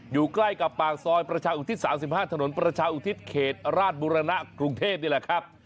อยู่ใกล้กับปากซอยประชาอุทิศ๓๕ถนนประชาอุทิศเขตราชบุรณะกรุงเทพนี่แหละครับ